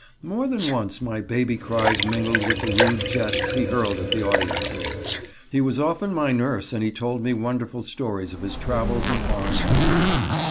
More than once my baby cries mingled with the rude jests he hurled at the audiences. He was often my nurse and he told me wonderful stories of his travels in foreign countries.